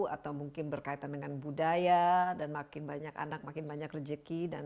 atau mungkin berkaitan dengan budaya dan makin banyak anak makin banyak rejeki